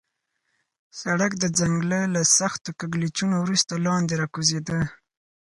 سړک د ځنګله له سختو کږلېچونو وروسته لاندې راکوزېده.